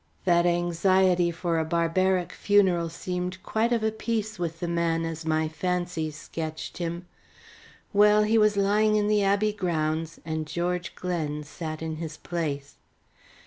That anxiety for a barbaric funeral seemed quite of a piece with the man as my fancies sketched him. Well, he was lying in the Abbey grounds, and George Glen sat in his place.